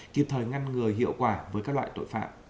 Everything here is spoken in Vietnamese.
kịp thời ngăn ngừa hiệu quả với các loại tội phạm